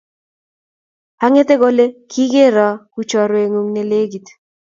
Anget kole kigeroo ku chrowengung nelegit